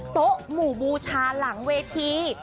โต๊ะหมู่บูชาหลังเวที